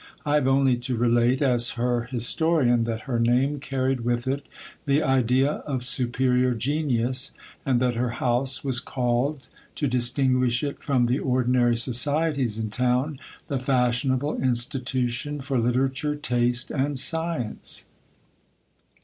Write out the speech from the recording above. I have only to relate, as her historian, that her name carried with it the idea of superior genius, and that her house was called, to distinguish it from the ordinary societies in town, The Fashionable Institu tion for Literature, Taste, and Science.